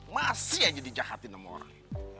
masih aja di jahatin sama orang